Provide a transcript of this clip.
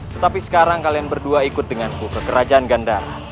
tetapi sekarang kalian berdua ikut denganku ke kerajaan ganda